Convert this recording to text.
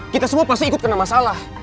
kita semua pasti ikut kena masalah